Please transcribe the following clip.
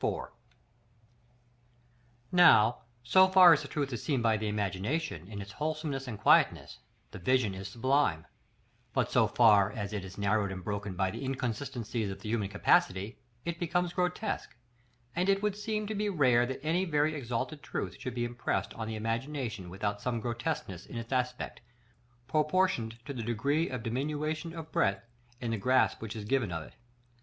§ LXII. Now, so far as the truth is seen by the imagination in its wholeness and quietness, the vision is sublime; but so far as it is narrowed and broken by the inconsistencies of the human capacity, it becomes grotesque; and it would seem to be rare that any very exalted truth should be impressed on the imagination without some grotesqueness in its aspect, proportioned to the degree of diminution of breadth in the grasp which is given of it.